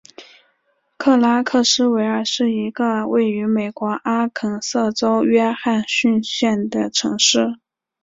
克拉克斯维尔是一个位于美国阿肯色州约翰逊县的城市。